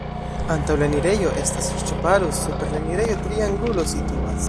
Antaŭ la enirejo estas ŝtuparo, super la enirejo triangulo situas.